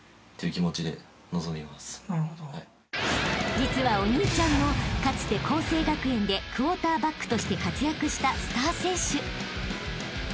［実はお兄ちゃんもかつて佼成学園でクォーターバックとして活躍したスター選手］